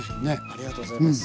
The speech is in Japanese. ありがとうございます。